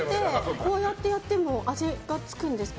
こうやってやっても味がつくんですか？